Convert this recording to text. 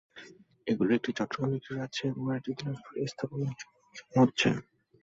এগুলোর একটি চট্টগ্রামে, একটি রাজশাহী এবং আরেকটি দিনাজপুরে স্থাপনের জন্য আলোচনা হচ্ছে।